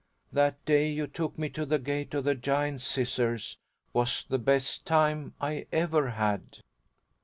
That day you took me to the Gate of the Giant Scissors was the best time I ever had."